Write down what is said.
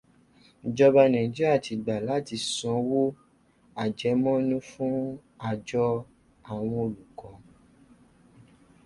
Ìjọba Nàìjíríà ti gbà láti sannowó àjẹmọ́nú fún àjọ àwọn olùkọ́.